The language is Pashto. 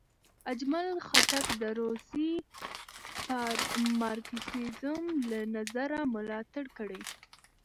اجمل خټک د روسي مارکسیزم له نظره ملاتړ کړی.